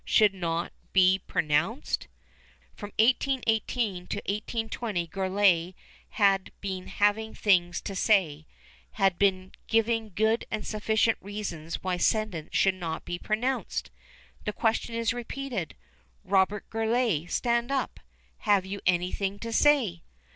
should not be pronounced?" From 1818 to 1820 Gourlay had been having things "to say," had been giving good and sufficient reasons why sentence should not be pronounced! The question is repeated: "Robert Gourlay stand up! Have you anything to say?"